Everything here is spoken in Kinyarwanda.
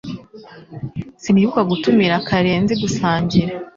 Sinibuka gutumira Karenzi gusangira